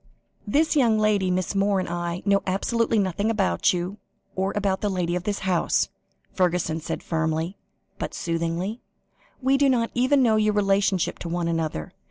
"This young lady, Miss Moore, and I, know absolutely nothing about you, or about the lady of this house," Fergusson said firmly, but soothingly. "We do not even know your relationship to one another.